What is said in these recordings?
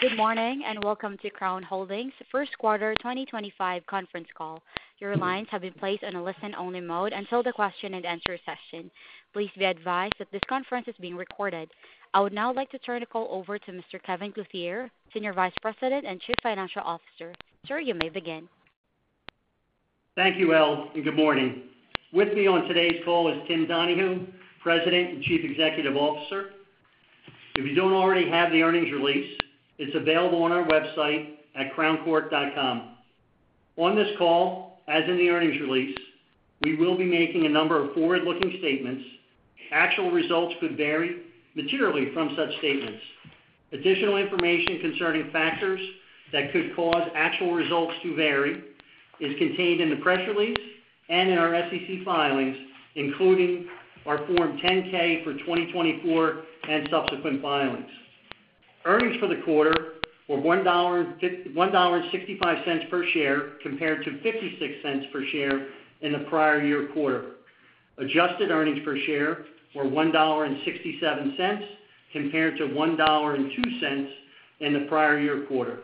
Good morning and welcome to Crown Holdings' first quarter 2025 conference call. Your lines have been placed on a listen-only mode until the question-and-answer session. Please be advised that this conference is being recorded. I would now like to turn the call over to Mr. Kevin Clothier, Senior Vice President and Chief Financial Officer. Sir, you may begin. Thank you, Elle, and good morning. With me on today's call is Tim Donahue, President and Chief Executive Officer. If you don't already have the earnings release, it's available on our website at crowncork.com. On this call, as in the earnings release, we will be making a number of forward-looking statements. Actual results could vary materially from such statements. Additional information concerning factors that could cause actual results to vary is contained in the press release and in our SEC filings, including our Form 10-K for 2024 and subsequent filings. Earnings for the quarter were $1.65 per share compared to $0.56 per share in the prior year quarter. Adjusted earnings per share were $1.67 compared to $1.02 in the prior year quarter.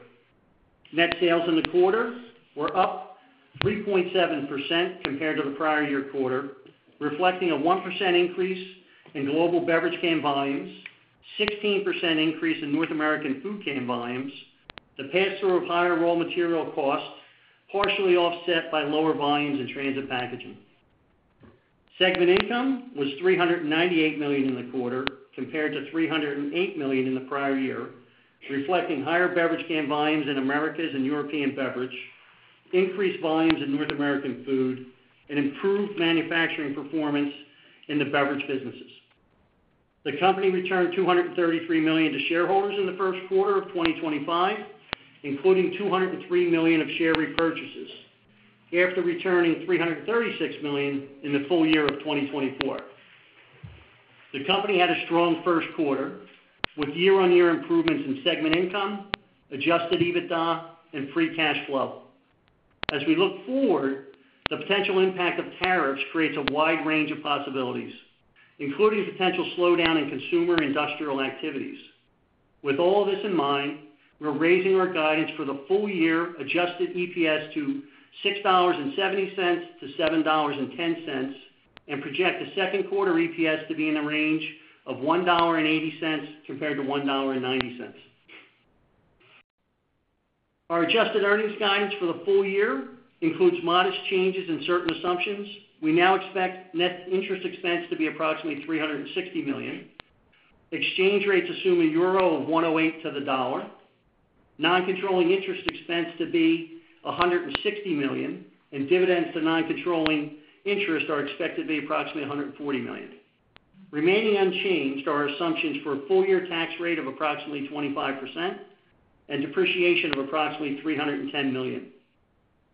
Net sales in the quarter were up 3.7% compared to the prior year quarter, reflecting a 1% increase in global beverage can volumes, a 16% increase in North American Food can volumes, and a pass-through of higher raw material costs, partially offset by lower volumes in Transit Packaging. Segment income was $398 million in the quarter compared to $308 million in the prior year, reflecting higher beverage can volumes in Americas and European Beverage, increased volumes in North American Food, and improved manufacturing performance in the beverage businesses. The company returned $233 million to shareholders in the first quarter of 2025, including $203 million of share repurchases, after returning $336 million in the full year of 2024. The company had a strong first quarter, with year-on-year improvements in segment income, adjusted EBITDA, and free cash flow. As we look forward, the potential impact of tariffs creates a wide range of possibilities, including potential slowdown in consumer industrial activities. With all this in mind, we're raising our guidance for the full-year adjusted EPS to $6.70-$7.10 and project the second quarter EPS to be in the range of $1.80 compared to $1.90. Our adjusted earnings guidance for the full year includes modest changes in certain assumptions. We now expect net interest expense to be approximately $360 million, exchange rates assuming Euro of 1.08 to the dollar, non-controlling interest expense to be $160 million, and dividends to non-controlling interest are expected to be approximately $140 million. Remaining unchanged are assumptions for a full-year tax rate of approximately 25% and depreciation of approximately $310 million.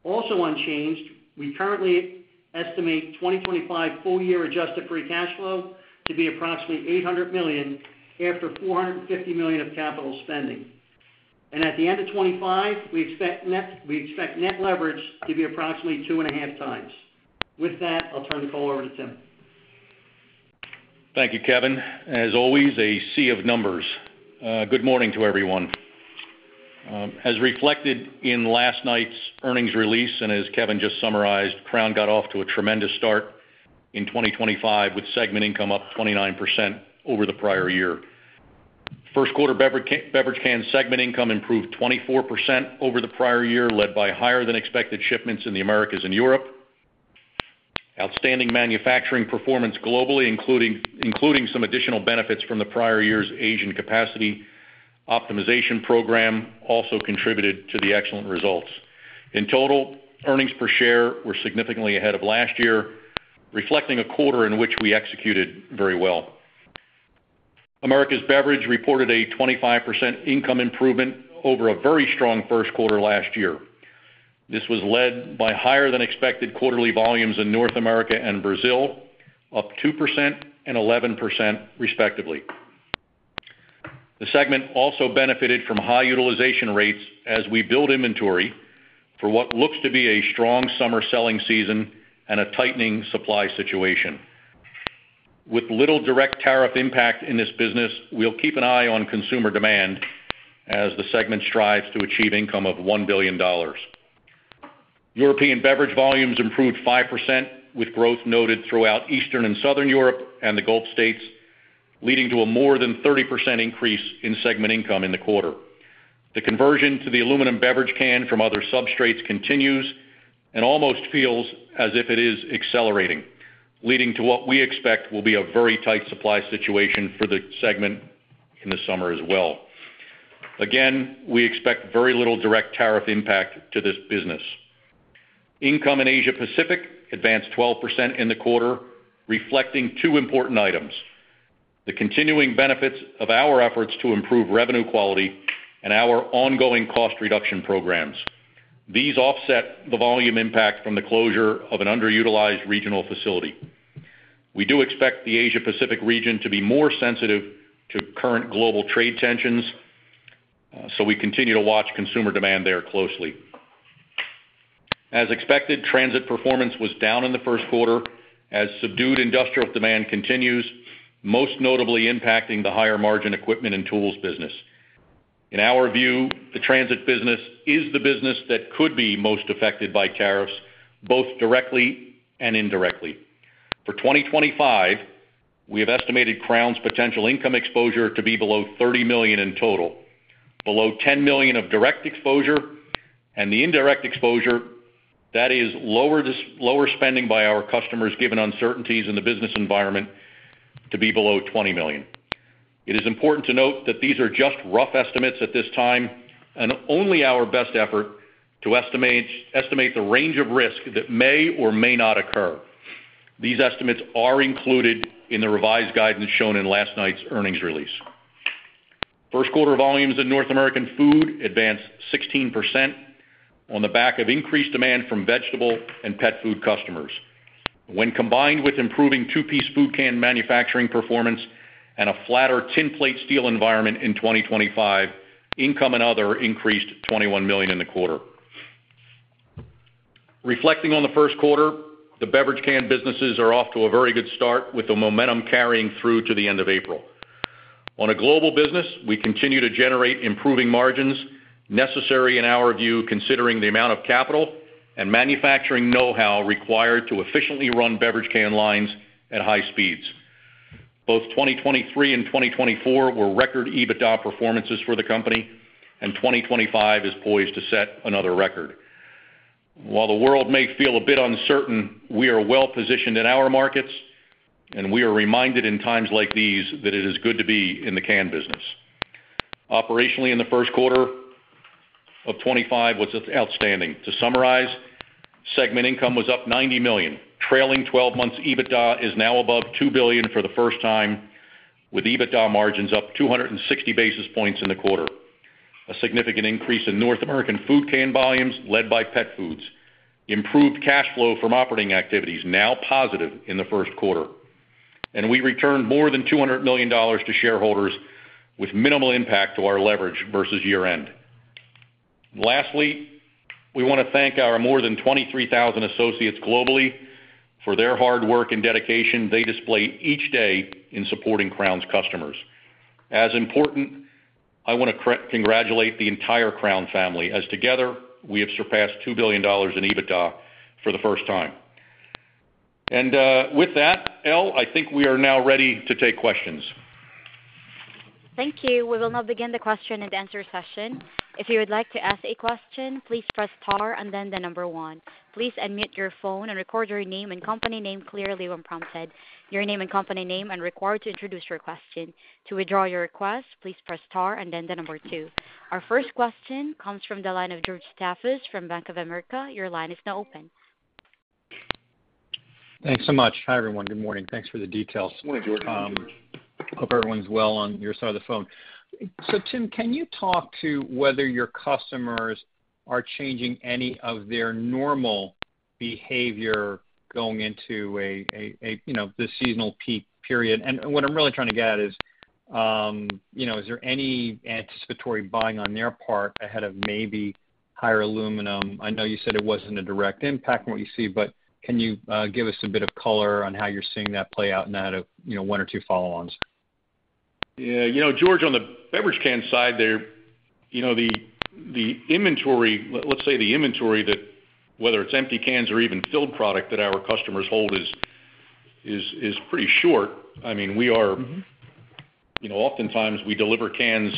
Also unchanged, we currently estimate 2025 full-year adjusted free cash flow to be approximately $800 million after $450 million of capital spending. At the end of 2025, we expect net leverage to be approximately 2.5 times. With that, I'll turn the call over to Tim. Thank you, Kevin. As always, a sea of numbers. Good morning to everyone. As reflected in last night's earnings release and as Kevin just summarized, Crown got off to a tremendous start in 2025 with segment income up 29% over the prior year. First quarter beverage can segment income improved 24% over the prior year, led by higher-than-expected shipments in the Americas and Europe. Outstanding manufacturing performance globally, including some additional benefits from the prior year's Asian capacity optimization program, also contributed to the excellent results. In total, earnings per share were significantly ahead of last year, reflecting a quarter in which we executed very well. Americas Beverage reported a 25% income improvement over a very strong first quarter last year. This was led by higher-than-expected quarterly volumes in North America and Brazil, up 2% and 11%, respectively. The segment also benefited from high utilization rates as we build inventory for what looks to be a strong summer selling season and a tightening supply situation. With little direct tariff impact in this business, we'll keep an eye on consumer demand as the segment strives to achieve income of $1 billion. European Beverage volumes improved 5%, with growth noted throughout Eastern and Southern Europe and the Gulf States, leading to a more than 30% increase in segment income in the quarter. The conversion to the aluminum beverage can from other substrates continues and almost feels as if it is accelerating, leading to what we expect will be a very tight supply situation for the segment in the summer as well. Again, we expect very little direct tariff impact to this business. Income in Asia Pacific advanced 12% in the quarter, reflecting two important items: the continuing benefits of our efforts to improve revenue quality and our ongoing cost reduction programs. These offset the volume impact from the closure of an underutilized regional facility. We do expect the Asia Pacific region to be more sensitive to current global trade tensions, so we continue to watch consumer demand there closely. As expected, transit performance was down in the first quarter as subdued industrial demand continues, most notably impacting the higher-margin equipment and tools business. In our view, the transit business is the business that could be most affected by tariffs, both directly and indirectly. For 2025, we have estimated Crown's potential income exposure to be below $30 million in total, below $10 million of direct exposure, and the indirect exposure, that is, lower spending by our customers given uncertainties in the business environment, to be below $20 million. It is important to note that these are just rough estimates at this time and only our best effort to estimate the range of risk that may or may not occur. These estimates are included in the revised guidance shown in last night's earnings release. First quarter volumes in North American Food advanced 16% on the back of increased demand from vegetable and pet food customers. When combined with improving two-piece food can manufacturing performance and a flatter tinplate steel environment in 2025, income in Other increased $21 million in the quarter. Reflecting on the first quarter, the beverage can businesses are off to a very good start, with the momentum carrying through to the end of April. On a global business, we continue to generate improving margins necessary in our view, considering the amount of capital and manufacturing know-how required to efficiently run beverage can lines at high speeds. Both 2023 and 2024 were record EBITDA performances for the company, and 2025 is poised to set another record. While the world may feel a bit uncertain, we are well positioned in our markets, and we are reminded in times like these that it is good to be in the can business. Operationally, in the first quarter of 2025, it was outstanding. To summarize, segment income was up $90 million, trailing 12 months' EBITDA is now above $2 billion for the first time, with EBITDA margins up 260 basis points in the quarter. A significant increase in North American Food can volumes, led by pet foods, improved cash flow from operating activities, now positive in the first quarter. We returned more than $200 million to shareholders, with minimal impact to our leverage versus year-end. Lastly, we want to thank our more than 23,000 associates globally for their hard work and dedication they display each day in supporting Crown's customers. As important, I want to congratulate the entire Crown family, as together we have surpassed $2 billion in EBITDA for the first time. With that, Elle, I think we are now ready to take questions. Thank you. We will now begin the question and answer session. If you would like to ask a question, please press star and then the number one. Please unmute your phone and record your name and company name clearly when prompted. Your name and company name are required to introduce your question. To withdraw your request, please press star and then the number two. Our first question comes from the line of George Staphos from Bank of America. Your line is now open. Thanks so much. Hi, everyone. Good morning. Thanks for the details. Good morning, George. Hope everyone's well on your side of the phone. Tim, can you talk to whether your customers are changing any of their normal behavior going into the seasonal peak period? What I'm really trying to get at is, is there any anticipatory buying on their part ahead of maybe higher aluminum? I know you said it wasn't a direct impact in what you see, but can you give us a bit of color on how you're seeing that play out in that of one or two follow-ons? Yeah. George, on the beverage can side, the inventory, let's say the inventory, whether it's empty cans or even filled product that our customers hold, is pretty short. I mean, we are oftentimes, we deliver cans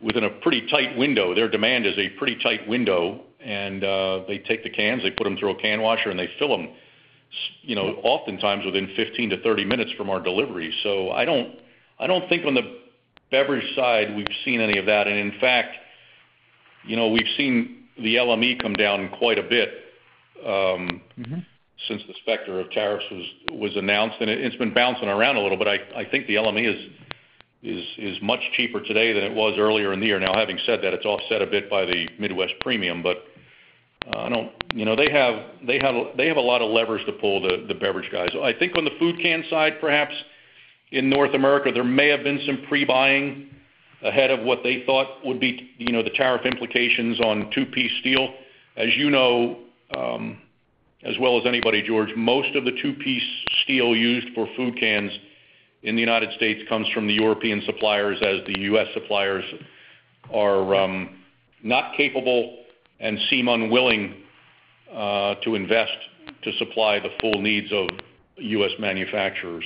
within a pretty tight window. Their demand is a pretty tight window, and they take the cans, they put them through a can washer, and they fill them oftentimes within 15 to 30 minutes from our delivery. I don't think on the beverage side we've seen any of that. In fact, we've seen the LME come down quite a bit since the specter of tariffs was announced, and it's been bouncing around a little, but I think the LME is much cheaper today than it was earlier in the year. Now, having said that, it's offset a bit by the Midwest Premium, but they have a lot of levers to pull, the beverage guys. I think on the food can side, perhaps in North America, there may have been some pre-buying ahead of what they thought would be the tariff implications on two-piece steel. As you know, as well as anybody, George, most of the two-piece steel used for food cans in the United States comes from the European suppliers as the U.S. suppliers are not capable and seem unwilling to invest to supply the full needs of U.S. manufacturers.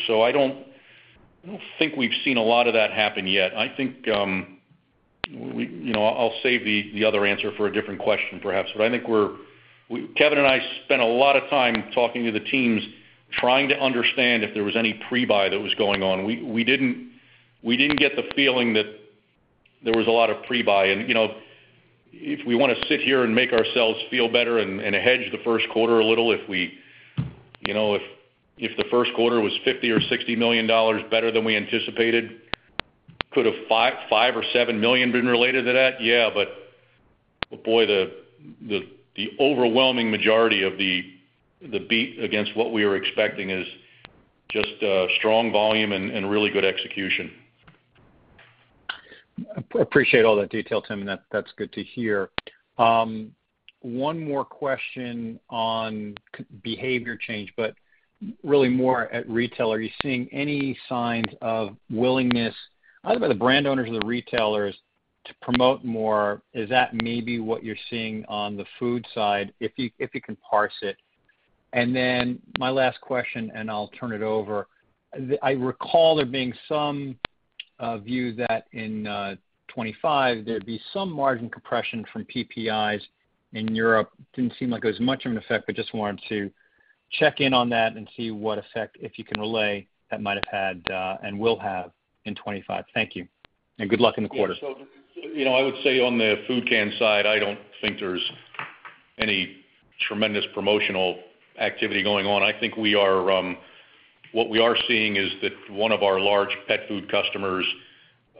I don't think we've seen a lot of that happen yet. I think I'll save the other answer for a different question, perhaps, but I think Kevin and I spent a lot of time talking to the teams trying to understand if there was any pre-buy that was going on. We didn't get the feeling that there was a lot of pre-buy. If we want to sit here and make ourselves feel better and hedge the first quarter a little, if the first quarter was $50 million or $60 million better than we anticipated, could $5 million or $7 million have been related to that, yeah, but boy, the overwhelming majority of the beat against what we were expecting is just strong volume and really good execution. Appreciate all that detail, Tim, and that's good to hear. One more question on behavior change, but really more at retail. Are you seeing any signs of willingness, either by the brand owners or the retailers, to promote more? Is that maybe what you're seeing on the food side, if you can parse it? My last question, and I'll turn it over. I recall there being some view that in 2025, there'd be some margin compression from PPIs in Europe. Didn't seem like it was much of an effect, but just wanted to check in on that and see what effect, if you can relay, that might have had and will have in 2025. Thank you. Good luck in the quarter. Thank you. I would say on the food can side, I do not think there is any tremendous promotional activity going on. I think what we are seeing is that one of our large pet food customers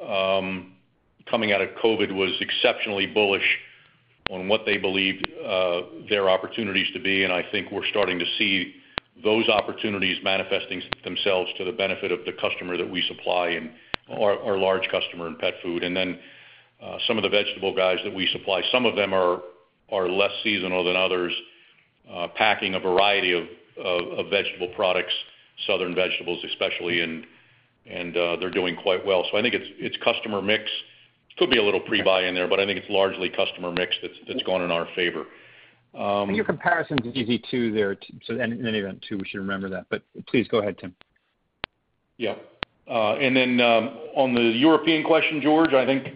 coming out of COVID was exceptionally bullish on what they believed their opportunities to be, and I think we are starting to see those opportunities manifesting themselves to the benefit of the customer that we supply and our large customer in pet food. Some of the vegetable guys that we supply, some of them are less seasonal than others, packing a variety of vegetable products, southern vegetables especially, and they are doing quite well. I think it is customer mix. Could be a little pre-buy in there, but I think it is largely customer mix that has gone in our favor. Your comparison's easy too there. In any event, too, we should remember that. Please go ahead, Tim. Yeah. On the European question, George, I think,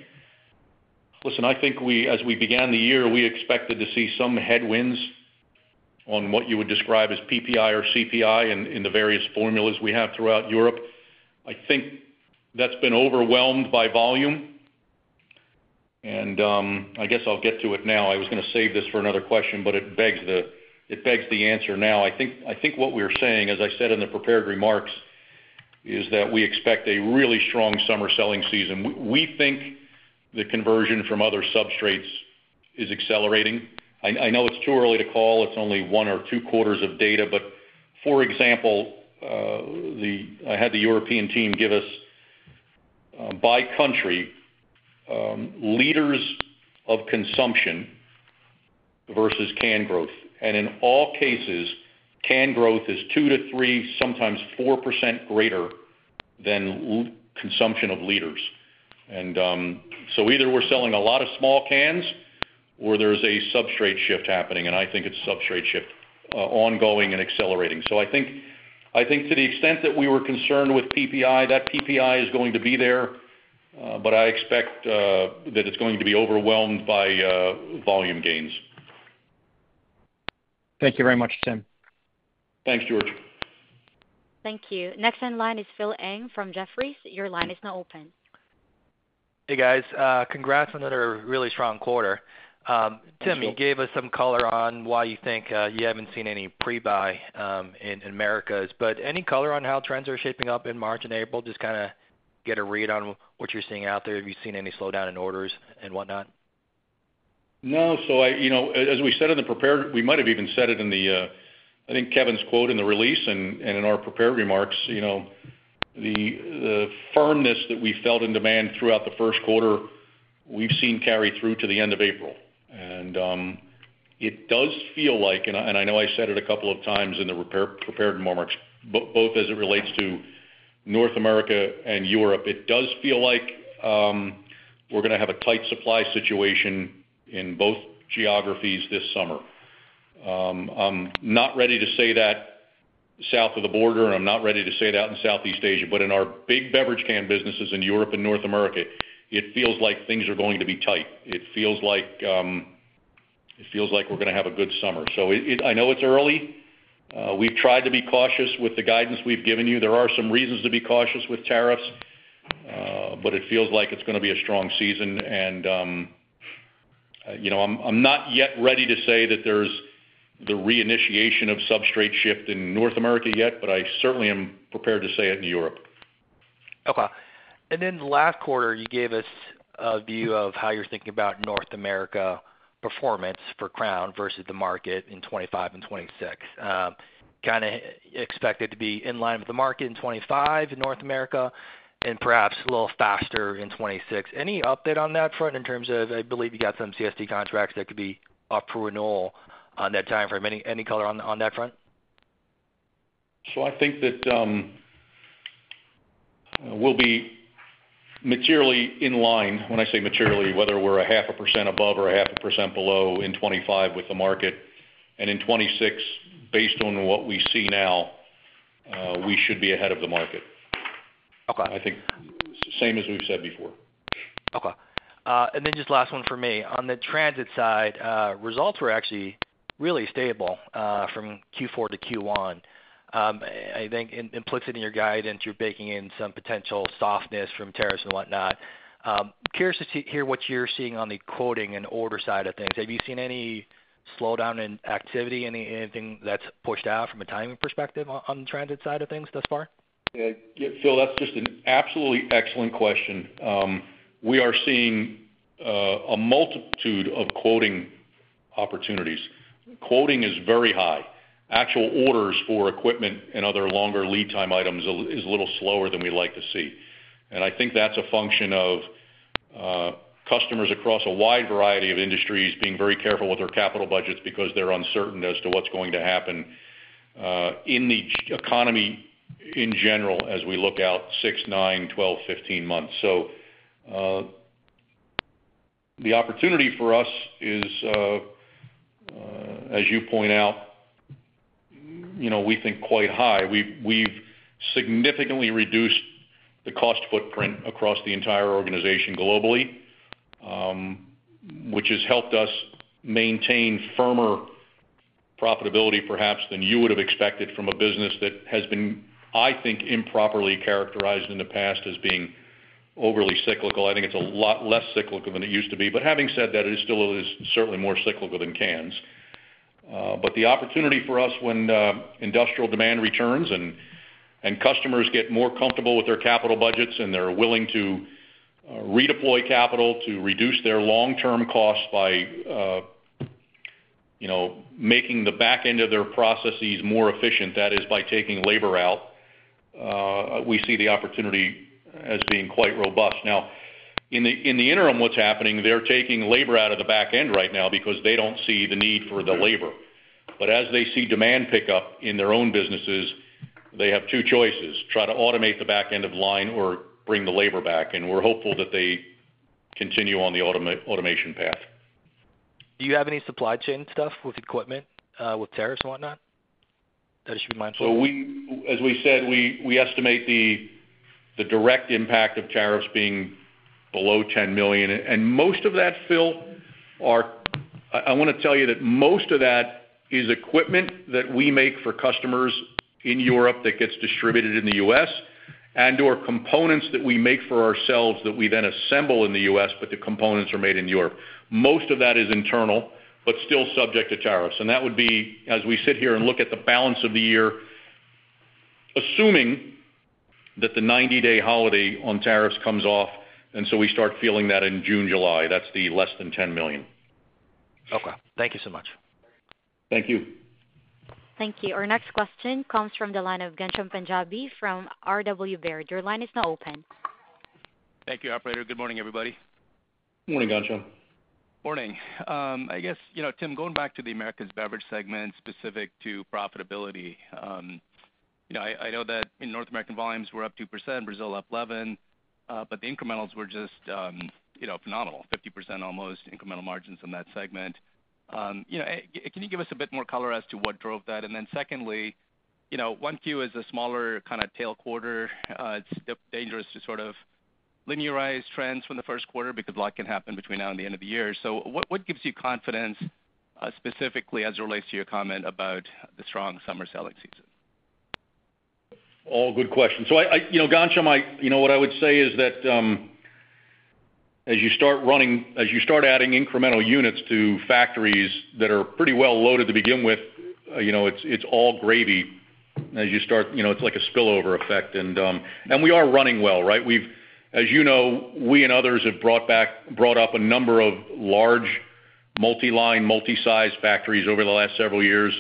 listen, I think as we began the year, we expected to see some headwinds on what you would describe as PPI or CPI in the various formulas we have throughout Europe. I think that's been overwhelmed by volume, and I guess I'll get to it now. I was going to save this for another question, but it begs the answer now. I think what we're saying, as I said in the prepared remarks, is that we expect a really strong summer selling season. We think the conversion from other substrates is accelerating. I know it's too early to call. It's only one or two quarters of data, but for example, I had the European team give us, by country, liters of consumption versus can growth. In all cases, can growth is 2-3, sometimes 4% greater than consumption of liters. Either we're selling a lot of small cans or there's a substrate shift happening, and I think it's a substrate shift ongoing and accelerating. I think to the extent that we were concerned with PPI, that PPI is going to be there, but I expect that it's going to be overwhelmed by volume gains. Thank you very much, Tim. Thanks, George. Thank you. Next on line is Phil Ng from Jefferies. Your line is now open. Hey, guys. Congrats on another really strong quarter. Tim, you gave us some color on why you think you haven't seen any pre-buy in Americas, but any color on how trends are shaping up in March and April? Just kind of get a read on what you're seeing out there. Have you seen any slowdown in orders and whatnot? No. As we said in the prepared, we might have even said it in the, I think, Kevin's quote in the release and in our prepared remarks, the firmness that we felt in demand throughout the first quarter, we've seen carry through to the end of April. It does feel like, and I know I said it a couple of times in the prepared remarks, both as it relates to North America and Europe, it does feel like we're going to have a tight supply situation in both geographies this summer. I'm not ready to say that south of the border, and I'm not ready to say it out in Southeast Asia, but in our big beverage can businesses in Europe and North America, it feels like things are going to be tight. It feels like we're going to have a good summer. I know it's early. We've tried to be cautious with the guidance we've given you. There are some reasons to be cautious with tariffs, but it feels like it's going to be a strong season. I'm not yet ready to say that there's the reinitiation of substrate shift in North America yet, but I certainly am prepared to say it in Europe. Okay. Then the last quarter, you gave us a view of how you're thinking about North America performance for Crown versus the market in 2025 and 2026. Kind of expected to be in line with the market in 2025 in North America and perhaps a little faster in 2026. Any update on that front in terms of, I believe you got some CSD contracts that could be up for renewal on that time frame? Any color on that front? I think that we'll be materially in line. When I say materially, whether we're a half a percent above or a half a percent below in 2025 with the market. In 2026, based on what we see now, we should be ahead of the market. I think same as we've said before. Okay. Then just last one for me. On the transit side, results were actually really stable from Q4 to Q1. I think implicit in your guidance, you're baking in some potential softness from tariffs and whatnot. Curious to hear what you're seeing on the quoting and order side of things. Have you seen any slowdown in activity, anything that's pushed out from a timing perspective on the transit side of things thus far? Yeah. Phil, that's just an absolutely excellent question. We are seeing a multitude of quoting opportunities. Quoting is very high. Actual orders for equipment and other longer lead time items is a little slower than we'd like to see. I think that's a function of customers across a wide variety of industries being very careful with their capital budgets because they're uncertain as to what's going to happen in the economy in general as we look out 6, 9, 12, 15 months. The opportunity for us is, as you point out, we think quite high. We've significantly reduced the cost footprint across the entire organization globally, which has helped us maintain firmer profitability perhaps than you would have expected from a business that has been, I think, improperly characterized in the past as being overly cyclical. I think it's a lot less cyclical than it used to be. Having said that, it still is certainly more cyclical than cans. The opportunity for us when industrial demand returns and customers get more comfortable with their capital budgets and they're willing to redeploy capital to reduce their long-term costs by making the back end of their processes more efficient, that is, by taking labor out, we see the opportunity as being quite robust. Now, in the interim, what's happening, they're taking labor out of the back end right now because they don't see the need for the labor. As they see demand pickup in their own businesses, they have two choices: try to automate the back end of the line or bring the labor back. We're hopeful that they continue on the automation path. Do you have any supply chain stuff with equipment, with tariffs and whatnot that I should be mindful of? As we said, we estimate the direct impact of tariffs being below $10 million. Most of that, Phil, I want to tell you that most of that is equipment that we make for customers in Europe that gets distributed in the U.S. and/or components that we make for ourselves that we then assemble in the U.S., but the components are made in Europe. Most of that is internal, but still subject to tariffs. That would be, as we sit here and look at the balance of the year, assuming that the 90-day holiday on tariffs comes off, and we start feeling that in June, July, that is the less than $10 million. Okay. Thank you so much. Thank you. Thank you. Our next question comes from the line of Ghansham Panjabi from R.W. Baird. Your line is now open. Thank you, operator. Good morning, everybody. Morning, Ghansham. Morning. I guess, Tim, going back to the Americas Beverage segment specific to profitability, I know that in North American volumes, we're up 2%, Brazil up 11%, but the incrementals were just phenomenal, 50% almost incremental margins in that segment. Can you give us a bit more color as to what drove that? Secondly, 1Q is a smaller kind of tail quarter. It's dangerous to sort of linearize trends from the first quarter because a lot can happen between now and the end of the year. What gives you confidence specifically as it relates to your comment about the strong summer selling season? All good questions. Ghansham, what I would say is that as you start running, as you start adding incremental units to factories that are pretty well loaded to begin with, it's all gravy. As you start, it's like a spillover effect. We are running well, right? As you know, we and others have brought up a number of large multi-line, multi-sized factories over the last several years.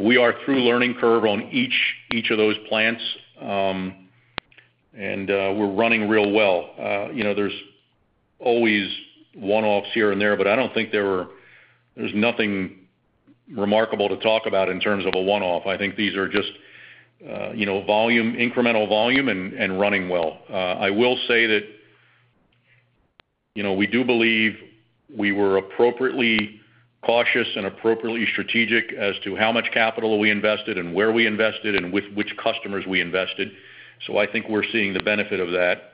We are through learning curve on each of those plants, and we're running real well. There's always one-offs here and there, but I don't think there's nothing remarkable to talk about in terms of a one-off. I think these are just incremental volume and running well. I will say that we do believe we were appropriately cautious and appropriately strategic as to how much capital we invested and where we invested and with which customers we invested. I think we're seeing the benefit of that.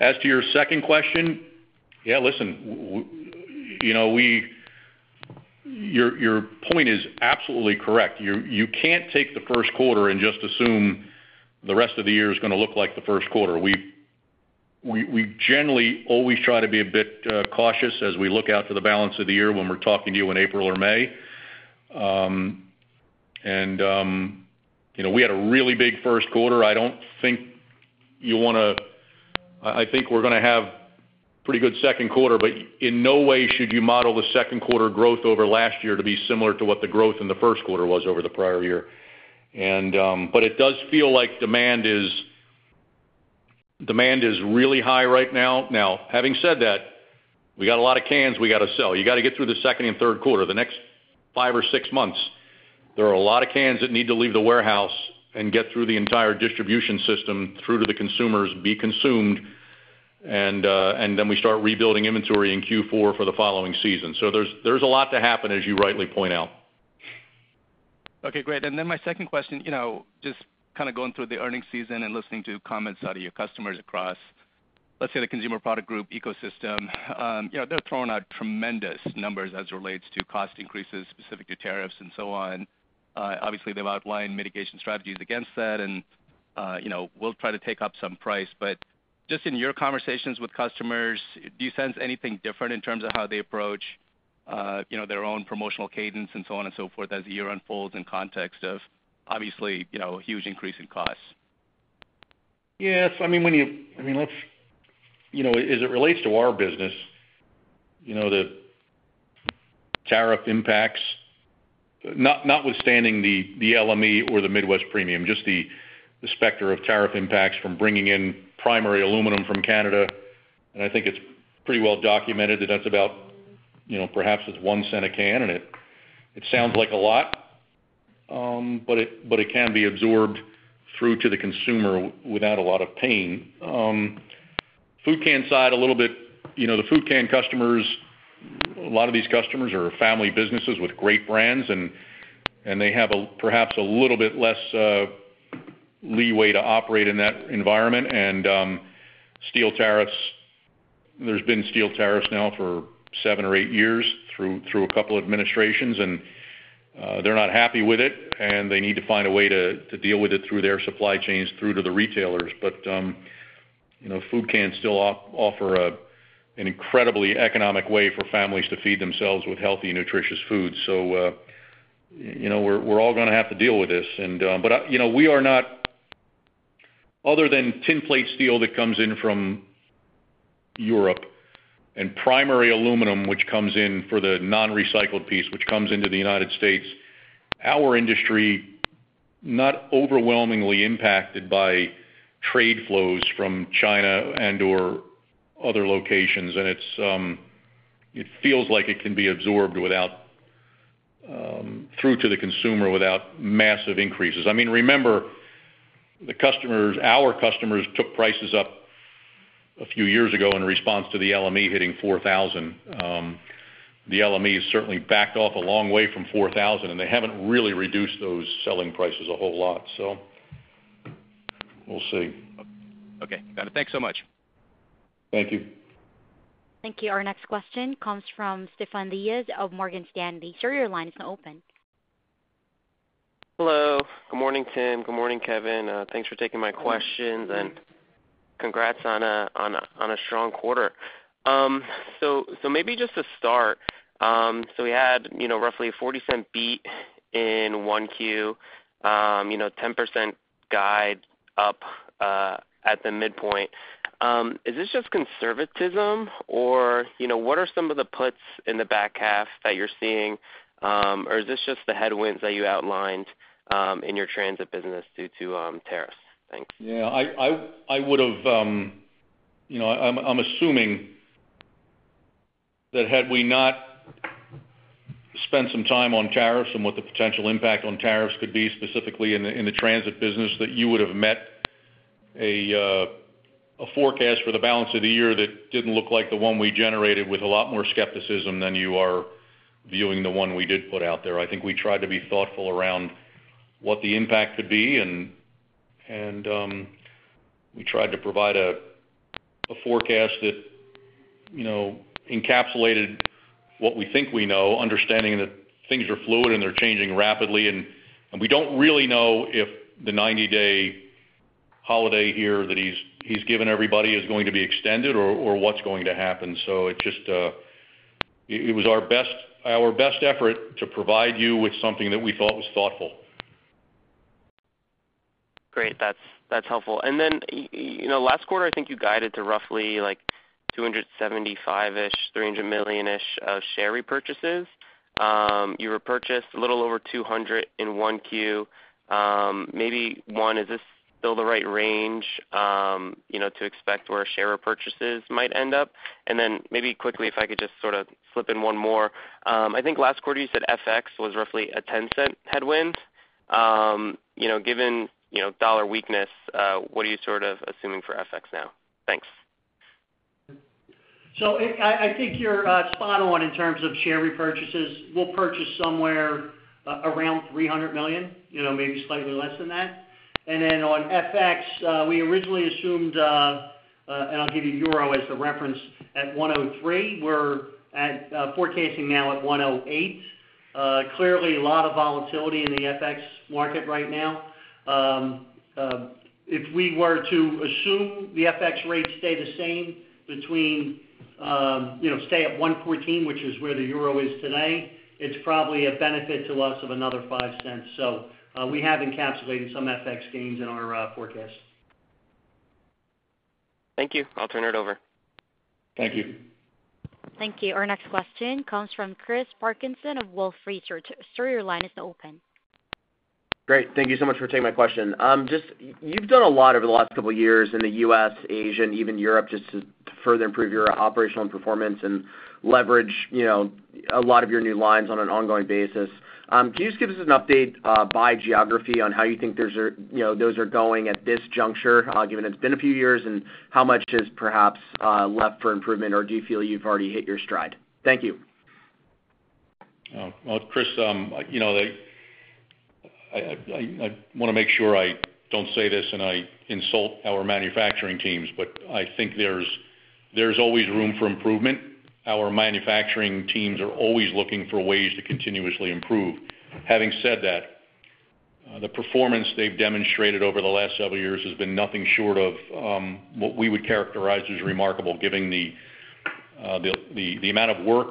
As to your second question, yeah, listen, your point is absolutely correct. You can't take the first quarter and just assume the rest of the year is going to look like the first quarter. We generally always try to be a bit cautious as we look out to the balance of the year when we're talking to you in April or May. We had a really big first quarter. I don't think you'll want to. I think we're going to have a pretty good second quarter, but in no way should you model the second quarter growth over last year to be similar to what the growth in the first quarter was over the prior year. It does feel like demand is really high right now. Now, having said that, we got a lot of cans we got to sell. You got to get through the second and third quarter, the next five or six months. There are a lot of cans that need to leave the warehouse and get through the entire distribution system through to the consumers, be consumed, and then we start rebuilding inventory in Q4 for the following season. There is a lot to happen, as you rightly point out. Okay. Great. My second question, just kind of going through the earnings season and listening to comments out of your customers across, let's say, the consumer product group ecosystem, they're throwing out tremendous numbers as it relates to cost increases specific to tariffs and so on. Obviously, they've outlined mitigation strategies against that, and will try to take up some price. Just in your conversations with customers, do you sense anything different in terms of how they approach their own promotional cadence and so on and so forth as the year unfolds in context of, obviously, a huge increase in costs? Yes. I mean, as it relates to our business, the tariff impacts, notwithstanding the LME or the Midwest Premium, just the specter of tariff impacts from bringing in primary aluminum from Canada. I think it's pretty well documented that that's about, perhaps, it's 1 cent a can, and it sounds like a lot, but it can be absorbed through to the consumer without a lot of pain. Food can side, a little bit, the food can customers, a lot of these customers are family businesses with great brands, and they have perhaps a little bit less leeway to operate in that environment. Steel tariffs, there's been steel tariffs now for seven or eight years through a couple of administrations, and they're not happy with it, and they need to find a way to deal with it through their supply chains through to the retailers. Food can still offer an incredibly economic way for families to feed themselves with healthy, nutritious foods. We are all going to have to deal with this. We are not, other than tinplate steel that comes in from Europe and primary aluminum, which comes in for the non-recycled piece, which comes into the United States, our industry not overwhelmingly impacted by trade flows from China and/or other locations. It feels like it can be absorbed through to the consumer without massive increases. I mean, remember, our customers took prices up a few years ago in response to the LME hitting $4,000. The LME has certainly backed off a long way from $4,000, and they have not really reduced those selling prices a whole lot. We will see. Okay. Got it. Thanks so much. Thank you. Thank you. Our next question comes from Stefan Diaz of Morgan Stanley. Sir, your line is now open. Hello. Good morning, Tim. Good morning, Kevin. Thanks for taking my questions, and congrats on a strong quarter. Maybe just to start, we had roughly a $0.40 beat in 1Q, 10% guide up at the midpoint. Is this just conservatism, or what are some of the puts in the back half that you're seeing, or is this just the headwinds that you outlined in your transit business due to tariffs? Thanks. Yeah. I would have, I'm assuming that had we not spent some time on tariffs and what the potential impact on tariffs could be specifically in the transit business, that you would have met a forecast for the balance of the year that didn't look like the one we generated with a lot more skepticism than you are viewing the one we did put out there. I think we tried to be thoughtful around what the impact could be, and we tried to provide a forecast that encapsulated what we think we know, understanding that things are fluid and they're changing rapidly. We don't really know if the 90-day holiday here that he's given everybody is going to be extended or what's going to happen. It was our best effort to provide you with something that we thought was thoughtful. Great. That's helpful. Last quarter, I think you guided to roughly $275 million-$300 million of share repurchases. You repurchased a little over $200 million in 1Q. Maybe one, is this still the right range to expect where share repurchases might end up? Maybe quickly, if I could just sort of slip in one more. I think last quarter, you said FX was roughly a $0.10 headwind. Given dollar weakness, what are you sort of assuming for FX now? Thanks. I think you're spot on in terms of share repurchases. We'll purchase somewhere around $300 million, maybe slightly less than that. On FX, we originally assumed, and I'll give you Euro as a reference, at 1.03. We're forecasting now at 1.08. Clearly, a lot of volatility in the FX market right now. If we were to assume the FX rate stayed the same between, stay at 1.14, which is where the Euro is today, it's probably a benefit to us of another $0.05. We have encapsulated some FX gains in our forecast. Thank you. I'll turn it over. Thank you. Thank you. Our next question comes from Chris Parkinson of Wolfe Research. Sir, your line is now open. Great. Thank you so much for taking my question. You've done a lot over the last couple of years in the U.S., Asia, even Europe, just to further improve your operational performance and leverage a lot of your new lines on an ongoing basis. Can you just give us an update by geography on how you think those are going at this juncture, given it's been a few years, and how much is perhaps left for improvement, or do you feel you've already hit your stride? Thank you. Chris, I want to make sure I don't say this and I insult our manufacturing teams, but I think there's always room for improvement. Our manufacturing teams are always looking for ways to continuously improve. Having said that, the performance they've demonstrated over the last several years has been nothing short of what we would characterize as remarkable, given the amount of work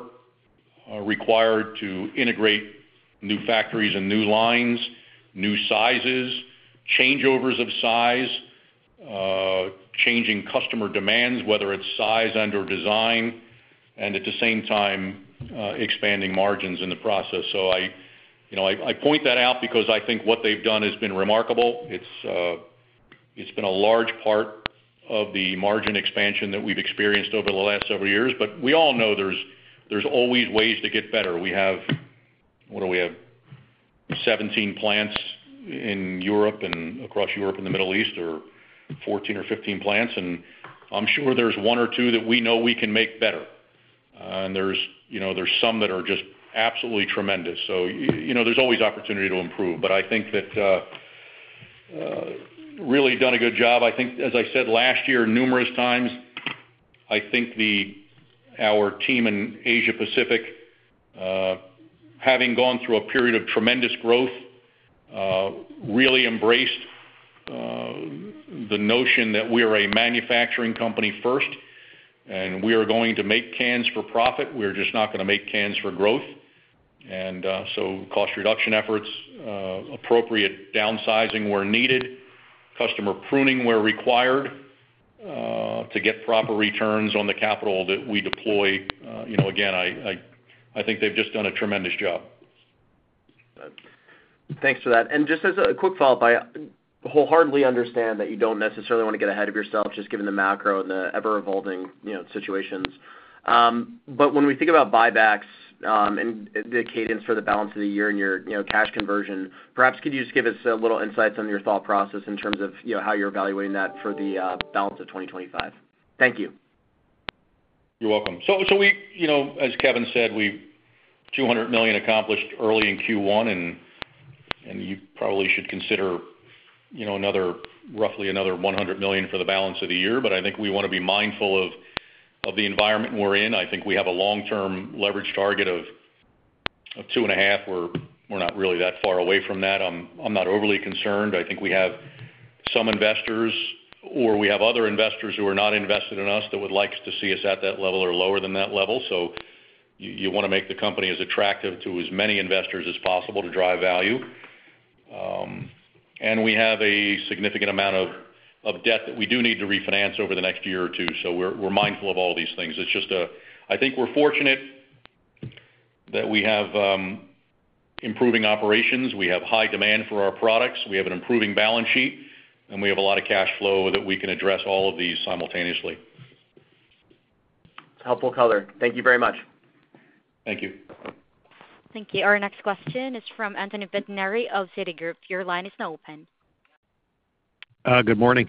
required to integrate new factories and new lines, new sizes, changeovers of size, changing customer demands, whether it's size and/or design, and at the same time, expanding margins in the process. I point that out because I think what they've done has been remarkable. It's been a large part of the margin expansion that we've experienced over the last several years. We all know there's always ways to get better. We have—what do we have?—17 plants in Europe and across Europe and the Middle East, or 14 or 15 plants. I'm sure there's one or two that we know we can make better. There's some that are just absolutely tremendous. There's always opportunity to improve. I think that really done a good job. I think, as I said last year numerous times, our team in Asia Pacific, having gone through a period of tremendous growth, really embraced the notion that we are a manufacturing company first, and we are going to make cans for profit. We're just not going to make cans for growth. Cost reduction efforts, appropriate downsizing where needed, customer pruning where required to get proper returns on the capital that we deploy. Again, I think they've just done a tremendous job. Thanks for that. Just as a quick follow-up, I wholeheartedly understand that you don't necessarily want to get ahead of yourself, just given the macro and the ever-evolving situations. When we think about buybacks and the cadence for the balance of the year and your cash conversion, perhaps could you just give us a little insight on your thought process in terms of how you're evaluating that for the balance of 2025? Thank you. You're welcome. As Kevin said, we've $200 million accomplished early in Q1, and you probably should consider roughly another $100 million for the balance of the year. I think we want to be mindful of the environment we're in. I think we have a long-term leverage target of 2.5. We're not really that far away from that. I'm not overly concerned. I think we have some investors, or we have other investors who are not invested in us that would like to see us at that level or lower than that level. You want to make the company as attractive to as many investors as possible to drive value. We have a significant amount of debt that we do need to refinance over the next year or two. We're mindful of all these things. I think we're fortunate that we have improving operations. We have high demand for our products. We have an improving balance sheet, and we have a lot of cash flow that we can address all of these simultaneously. It's helpful, color. Thank you very much. Thank you. Thank you. Our next question is from Anthony Pettinari of Citigroup. Your line is now open. Good morning.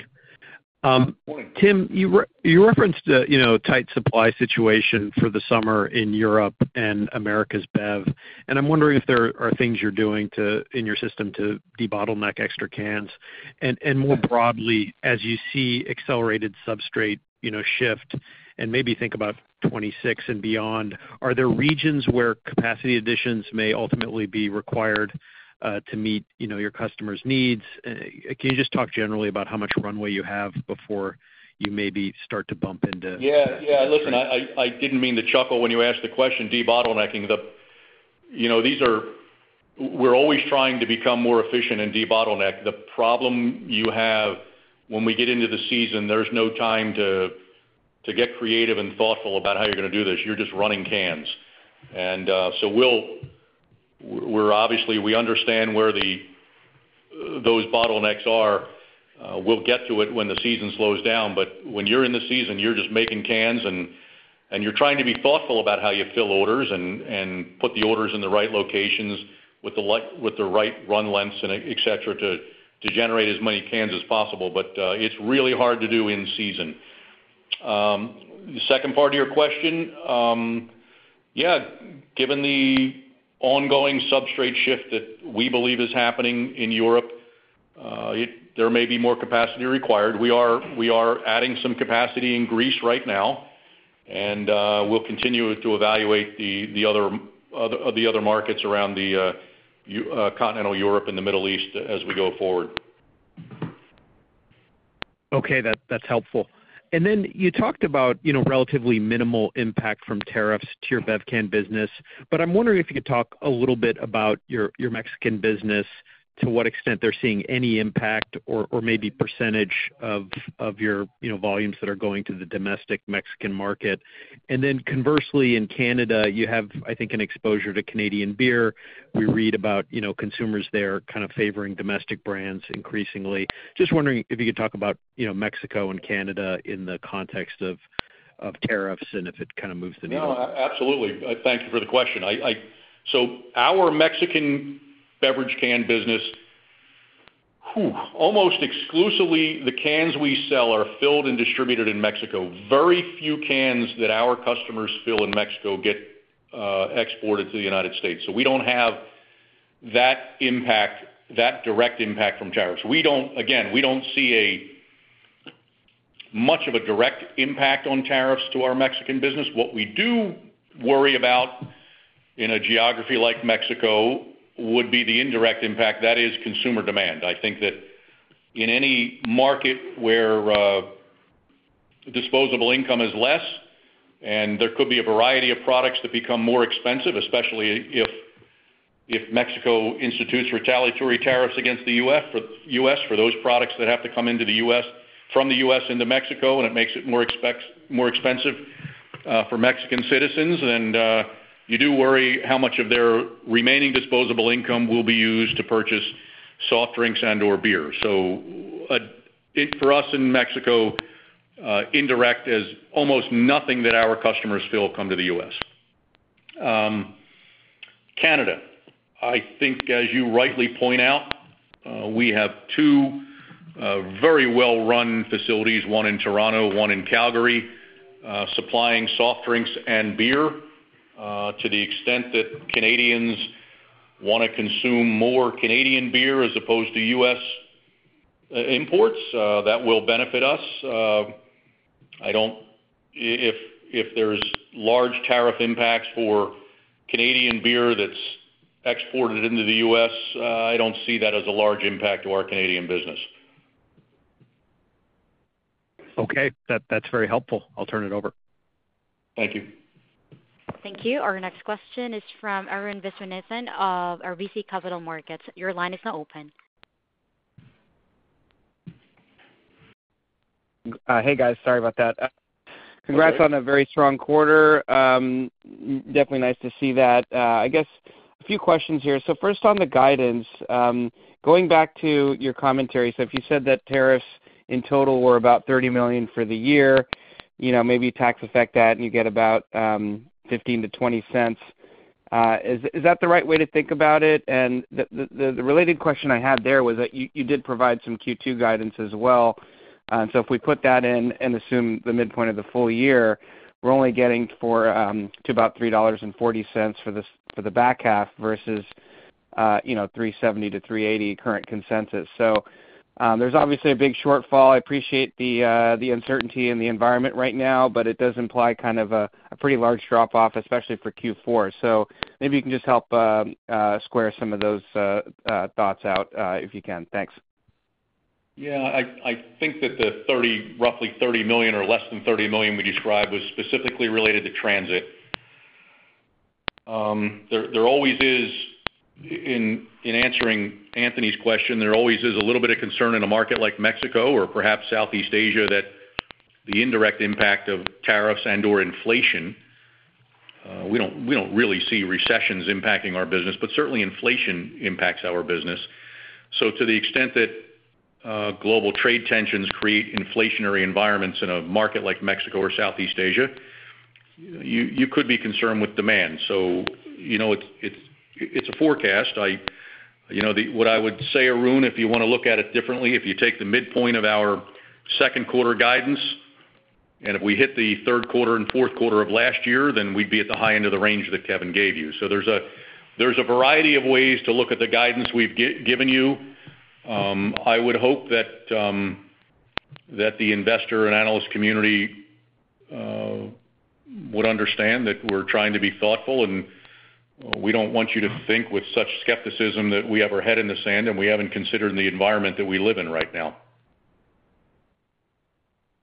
Good morning. Tim, you referenced a tight supply situation for the summer in Europe and Americas bev. I am wondering if there are things you are doing in your system to debottleneck extra cans. More broadly, as you see accelerated substrate shift and maybe think about 2026 and beyond, are there regions where capacity additions may ultimately be required to meet your customers' needs? Can you just talk generally about how much runway you have before you maybe start to bump into? Yeah. Yeah. Listen, I did not mean to chuckle when you asked the question, debottlenecking. We are always trying to become more efficient and debottleneck. The problem you have when we get into the season, there is no time to get creative and thoughtful about how you are going to do this. You are just running cans. We obviously understand where those bottlenecks are. We will get to it when the season slows down. When you are in the season, you are just making cans, and you are trying to be thoughtful about how you fill orders and put the orders in the right locations with the right run lengths, etc., to generate as many cans as possible. It is really hard to do in season. The second part of your question, yeah, given the ongoing substrate shift that we believe is happening in Europe, there may be more capacity required. We are adding some capacity in Greece right now, and we'll continue to evaluate the other markets around continental Europe and the Middle East as we go forward. Okay. That's helpful. You talked about relatively minimal impact from tariffs to your bev can business. I'm wondering if you could talk a little bit about your Mexican business, to what extent they're seeing any impact or maybe percentage of your volumes that are going to the domestic Mexican market. Conversely, in Canada, you have, I think, an exposure to Canadian beer. We read about consumers there kind of favoring domestic brands increasingly. Just wondering if you could talk about Mexico and Canada in the context of tariffs and if it kind of moves the needle. No, absolutely. Thank you for the question. Our Mexican beverage can business, almost exclusively, the cans we sell are filled and distributed in Mexico. Very few cans that our customers fill in Mexico get exported to the U.S. We do not have that direct impact from tariffs. Again, we do not see much of a direct impact on tariffs to our Mexican business. What we do worry about in a geography like Mexico would be the indirect impact. That is consumer demand. I think that in any market where disposable income is less, and there could be a variety of products that become more expensive, especially if Mexico institutes retaliatory tariffs against the U.S. for those products that have to come into the U.S. from the U.S. into Mexico, and it makes it more expensive for Mexican citizens, then you do worry how much of their remaining disposable income will be used to purchase soft drinks and/or beer. For us in Mexico, indirect is almost nothing that our customers fill come to the U.S. Canada, I think, as you rightly point out, we have two very well-run facilities, one in Toronto, one in Calgary, supplying soft drinks and beer to the extent that Canadians want to consume more Canadian beer as opposed to U.S. imports. That will benefit us. If there's large tariff impacts for Canadian beer that's exported into the U.S., I don't see that as a large impact to our Canadian business. Okay. That's very helpful. I'll turn it over. Thank you. Thank you. Our next question is from Arun Viswanathan of RBC Capital Markets. Your line is now open. Hey, guys. Sorry about that. Congrats on a very strong quarter. Definitely nice to see that. I guess a few questions here. First, on the guidance, going back to your commentary, if you said that tariffs in total were about $30 million for the year, maybe tax-affect that, and you get about $0.15-$0.20. Is that the right way to think about it? The related question I had there was that you did provide some Q2 guidance as well. If we put that in and assume the midpoint of the full year, we're only getting to about $3.40 for the back half versus $3.70-$3.80 current consensus. There is obviously a big shortfall. I appreciate the uncertainty in the environment right now, but it does imply kind of a pretty large drop-off, especially for Q4. Maybe you can just help square some of those thoughts out if you can. Thanks. Yeah. I think that the roughly $30 million or less than $30 million we described was specifically related to transit. There always is, in answering Anthony's question, there always is a little bit of concern in a market like Mexico or perhaps Southeast Asia that the indirect impact of tariffs and/or inflation—we do not really see recessions impacting our business, but certainly inflation impacts our business. To the extent that global trade tensions create inflationary environments in a market like Mexico or Southeast Asia, you could be concerned with demand. It is a forecast. What I would say, Arun, if you want to look at it differently, if you take the midpoint of our second quarter guidance, and if we hit the third quarter and fourth quarter of last year, then we would be at the high end of the range that Kevin gave you. There is a variety of ways to look at the guidance we have given you. I would hope that the investor and analyst community would understand that we are trying to be thoughtful, and we do not want you to think with such skepticism that we have our head in the sand and we have not considered the environment that we live in right now.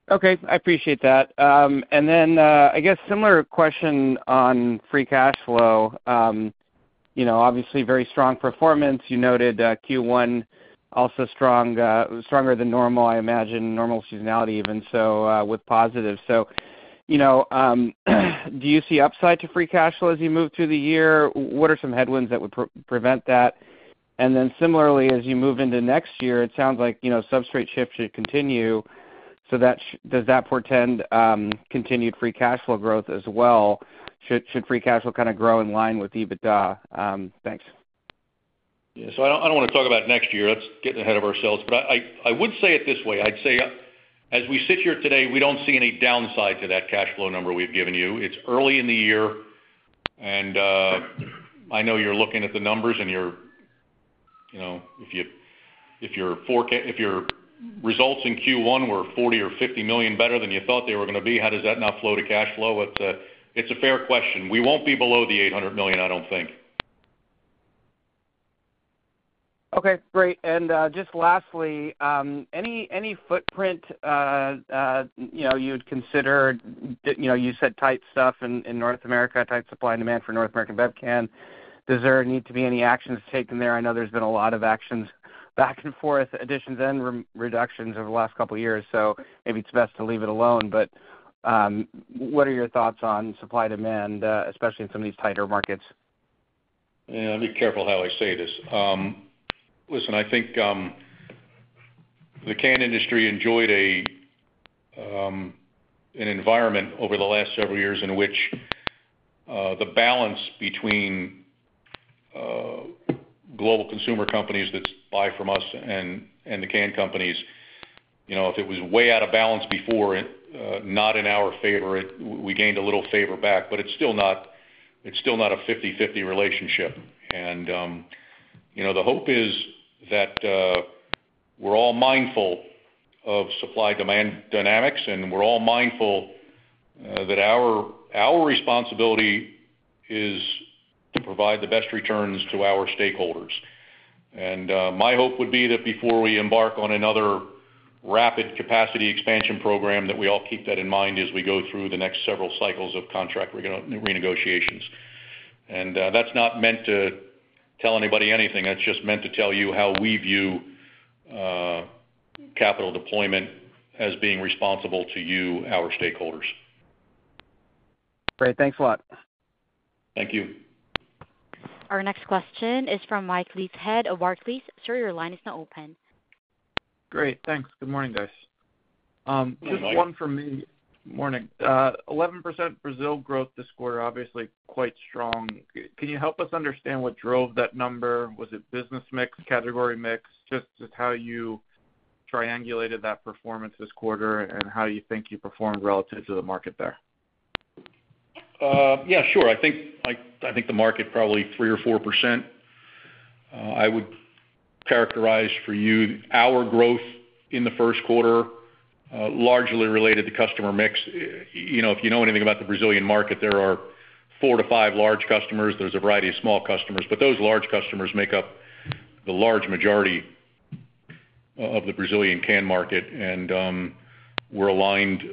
Okay. I appreciate that. I guess similar question on free cash flow. Obviously, very strong performance. You noted Q1 also stronger than normal, I imagine. Normal seasonality even, with positives. Do you see upside to free cash flow as you move through the year? What are some headwinds that would prevent that? Similarly, as you move into next year, it sounds like substrate shift should continue. Does that portend continued free cash flow growth as well? Should free cash flow kind of grow in line with EBITDA? Thanks. Yeah. I do not want to talk about next year. Let's get ahead of ourselves. I would say it this way. I would say as we sit here today, we do not see any downside to that cash flow number we have given you. It is early in the year, and I know you are looking at the numbers, and if your results in Q1 were $40 million or $50 million better than you thought they were going to be, how does that now flow to cash flow? It is a fair question. We will not be below the $800 million, I do not think. Okay. Great. Just lastly, any footprint you'd consider? You said tight stuff in North America, tight supply and demand for North American bev can. Does there need to be any actions taken there? I know there's been a lot of actions back and forth, additions and reductions over the last couple of years. Maybe it's best to leave it alone. What are your thoughts on supply demand, especially in some of these tighter markets? Yeah. I'll be careful how I say this. Listen, I think the can industry enjoyed an environment over the last several years in which the balance between global consumer companies that buy from us and the can companies, if it was way out of balance before, not in our favor, we gained a little favor back. It is still not a 50/50 relationship. The hope is that we are all mindful of supply-demand dynamics, and we are all mindful that our responsibility is to provide the best returns to our stakeholders. My hope would be that before we embark on another rapid capacity expansion program, we all keep that in mind as we go through the next several cycles of contract renegotiations. That is not meant to tell anybody anything. That is just meant to tell you how we view capital deployment as being responsible to you, our stakeholders. Great. Thanks a lot. Thank you. Our next question is from Mike Leithead of Barclays. Sir, your line is now open. Great. Thanks. Good morning, guys. Just one for me. Morning. 11% Brazil growth this quarter, obviously quite strong. Can you help us understand what drove that number? Was it business mix, category mix, just how you triangulated that performance this quarter and how you think you performed relative to the market there? Yeah. Sure. I think the market probably 3% or 4%. I would characterize for you our growth in the first quarter largely related to customer mix. If you know anything about the Brazilian market, there are four or five large customers. There's a variety of small customers. But those large customers make up the large majority of the Brazilian can market. And we're aligned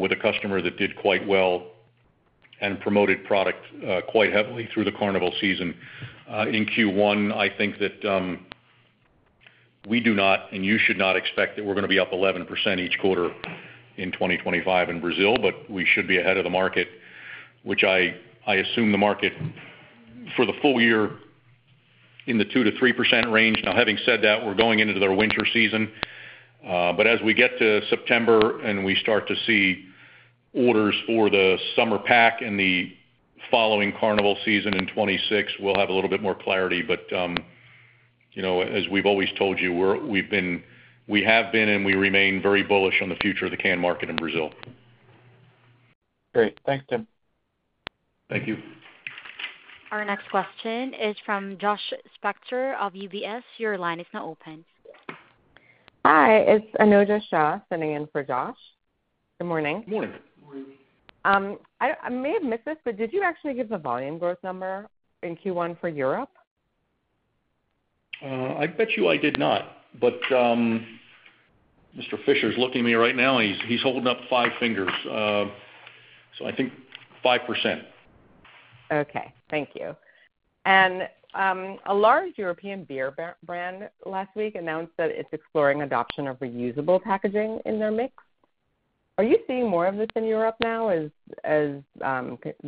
with a customer that did quite well and promoted product quite heavily through the Carnival season. In Q1, I think that we do not, and you should not expect that we're going to be up 11% each quarter in 2025 in Brazil, but we should be ahead of the market, which I assume the market for the full year in the 2%-3% range. Now, having said that, we're going into their winter season. As we get to September and we start to see orders for the summer pack and the following Carnival season in 2026, we'll have a little bit more clarity. As we've always told you, we have been and we remain very bullish on the future of the can market in Brazil. Great. Thanks, Tim. Thank you. Our next question is from Josh Spector of UBS. Your line is now open. Hi. It's Anojja Shah sending in for Josh. Good morning. Good morning. I may have missed this, but did you actually give the volume growth number in Q1 for Europe? I bet you I did not. Mr. Fischer's looking at me right now. He's holding up five fingers. I think 5%. Thank you. A large European beer brand last week announced that it's exploring adoption of reusable packaging in their mix. Are you seeing more of this in Europe now as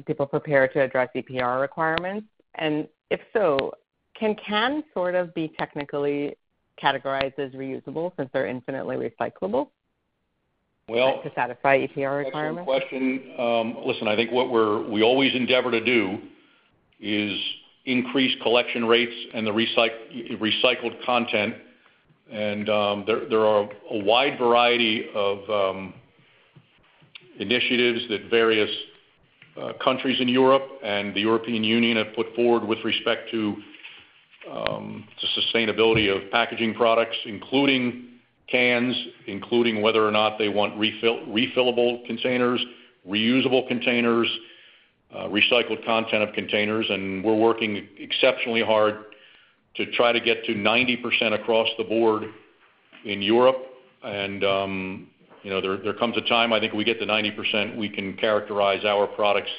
people prepare to address EPR requirements? If so, can cans sort of be technically categorized as reusable since they're infinitely recyclable to satisfy EPR requirements? That's a good question. Listen, I think what we always endeavor to do is increase collection rates and the recycled content. There are a wide variety of initiatives that various countries in Europe and the European Union have put forward with respect to the sustainability of packaging products, including cans, including whether or not they want refillable containers, reusable containers, recycled content of containers. We are working exceptionally hard to try to get to 90% across the board in Europe. There comes a time, I think we get to 90%, we can characterize our products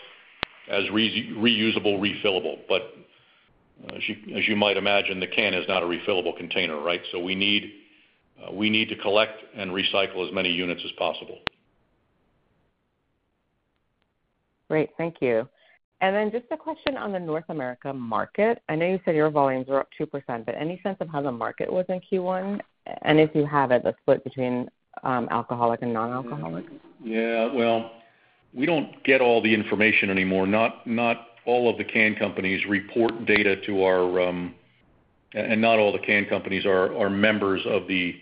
as reusable, refillable. As you might imagine, the can is not a refillable container, right? We need to collect and recycle as many units as possible. Great. Thank you. Just a question on the North America market. I know you said your volumes were up 2%, but any sense of how the market was in Q1? If you have it, the split between alcoholic and non-alcoholic? Yeah. We do not get all the information anymore. Not all of the can companies report data to our—and not all the can companies are members of the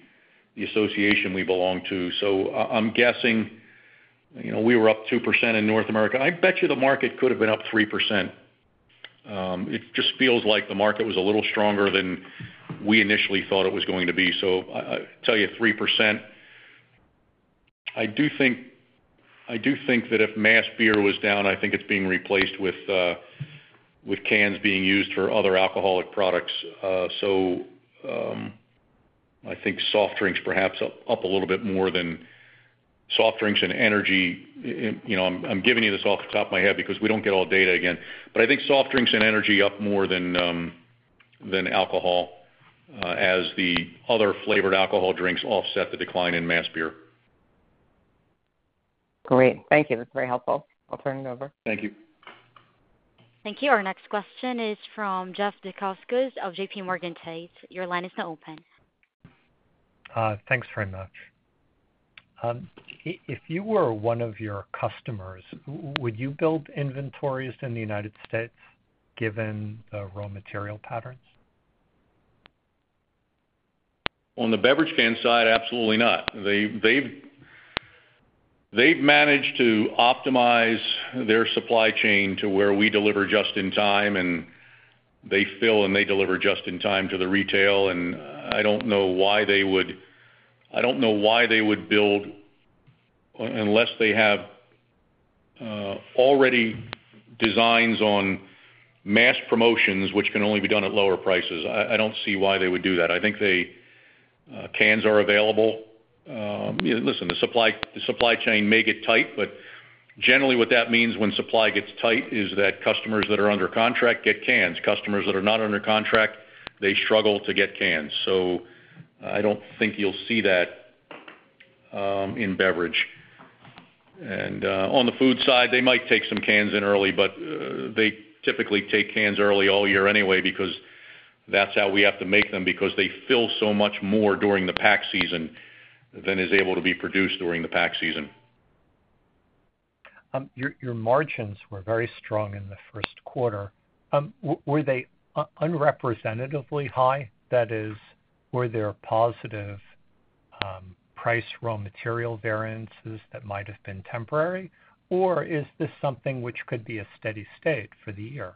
association we belong to. I am guessing we were up 2% in North America. I bet you the market could have been up 3%. It just feels like the market was a little stronger than we initially thought it was going to be. I tell you, 3%. I do think that if mass beer was down, I think it is being replaced with cans being used for other alcoholic products. I think soft drinks perhaps up a little bit more than soft drinks and energy. I am giving you this off the top of my head because we do not get all data again. I think soft drinks and energy up more than alcohol as the other flavored alcohol drinks offset the decline in mass beer. Great. Thank you. That's very helpful. I'll turn it over. Thank you. Thank you. Our next question is from Jeff Zekauskas of JPMorgan Chase. Your line is now open. Thanks very much. If you were one of your customers, would you build inventories in the United States given the raw material patterns? On the beverage can side, absolutely not. They've managed to optimize their supply chain to where we deliver just in time, and they fill and they deliver just in time to the retail. I don't know why they would—I don't know why they would build unless they have already designs on mass promotions, which can only be done at lower prices. I don't see why they would do that. I think cans are available. Listen, the supply chain may get tight, but generally what that means when supply gets tight is that customers that are under contract get cans. Customers that are not under contract, they struggle to get cans. I don't think you'll see that in beverage. On the food side, they might take some cans in early, but they typically take cans early all year anyway because that's how we have to make them because they fill so much more during the pack season than is able to be produced during the pack season. Your margins were very strong in the first quarter. Were they unrepresentatively high? That is, were there positive price raw material variances that might have been temporary? Or is this something which could be a steady state for the year?